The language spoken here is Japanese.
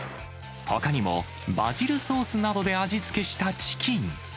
ほかにもバジルソースなどで味付けしたチキン。